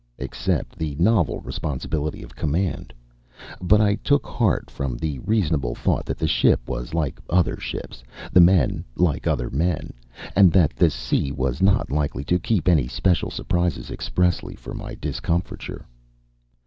except the novel responsibility of command. But I took heart from the reasonable thought that the ship was like other ships, the men like other men, and that the sea was not likely to keep any special surprises expressly for my discomfiture.